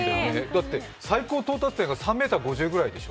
だって最高到達点が３ｍ５０くらいでしょ。